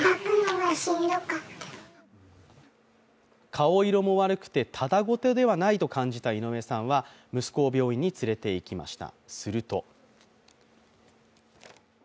顔色も悪くて、ただ事ではないと感じた井上さんは息子を病院に連れて行きました。